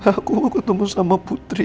papa aku mau ketemu sama putri